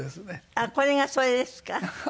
あっこれがそれですか？